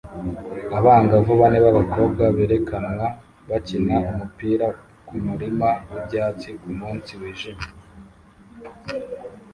Abangavu bane b'abakobwa berekanwa bakina umupira kumurima wibyatsi kumunsi wijimye